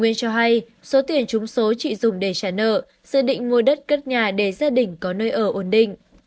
nay số tiền trúng số chị dùng để trả nợ dự định mua đất cất nhà để gia đình có nơi ở ổn định